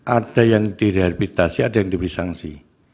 ada yang direhabilitasi ada yang diberi sanksi